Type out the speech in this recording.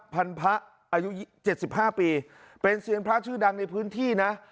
พันพระอายุ๗๕ปีเป็นเซียนพระชื่อดังในพื้นที่นะ